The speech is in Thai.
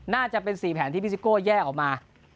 น่าจะเป็น๔แผนที่พี่ซิโก้แยกออกมา